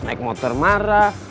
naik motor marah